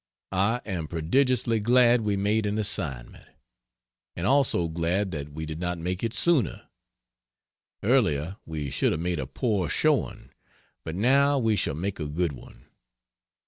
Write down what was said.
I am prodigiously glad we made an assignment. And also glad that we did not make it sooner. Earlier we should have made a poor showing; but now we shall make a good one.